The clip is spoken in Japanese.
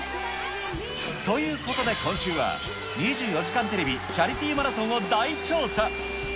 ということで、今週は２４時間テレビチャリティーマラソンを大調査。